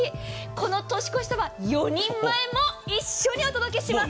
この年越しそば４人前も一緒にお届けします。